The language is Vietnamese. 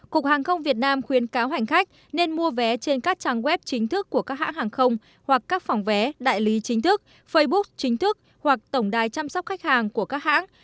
cục hàng không việt nam khuyến cáo hành khách nên mua vé trên các trang web chính thức của các hãng hàng không hoặc các phòng vé đại lý chính thức facebook chính thức hoặc tổng đài chăm sóc khách hàng của các hãng